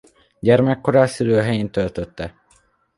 Gyermekkorát szülőhelyén töltötte.